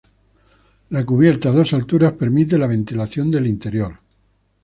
La cubierta a dos alturas permite la ventilación del interior.